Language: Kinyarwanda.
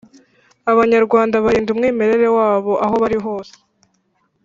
Abanyarwanda barinda umwimerere wabo aho bari hose